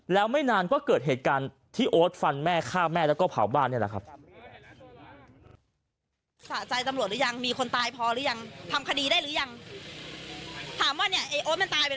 แล้วไม่นานก็เกิดเหตุการณ์ที่โอ๊ตฟันแม่ฆ่าแม่แล้วก็เผาบ้านนี่แหละครับ